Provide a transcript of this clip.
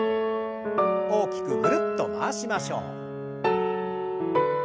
大きくぐるっと回しましょう。